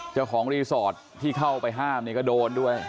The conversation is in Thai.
เจ้าของรีสอร์ทที่เข้าไปห้ามเนี่ยก็โดนด้วย